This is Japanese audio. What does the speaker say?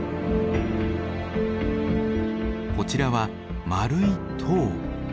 こちらは丸い塔。